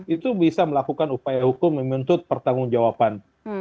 itu bisa melakukan upaya hukum yang membutuhkan pertanggung jawaban